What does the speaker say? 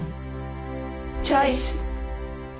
チョイス！